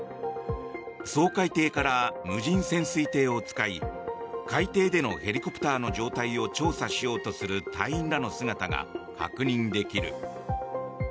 掃海艇から無人潜水艇を使い海底でのヘリコプターの状態を調査しようとする隊員らの姿が確認できる。